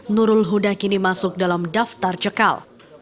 nurul huda kini masuk dalam daftar cekal